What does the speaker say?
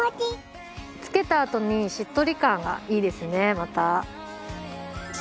つけたあとにしっとり感がいいですねまた。